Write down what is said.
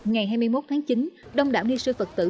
ngày hai mươi một tháng chín đông đảo ni sư phật tử